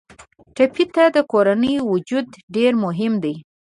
ټپي ته د کورنۍ وجود ډېر مهم دی.